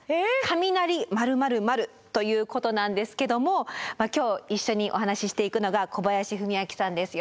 「カミナリ○○○」ということなんですけども今日一緒にお話ししていくのが小林文明さんです。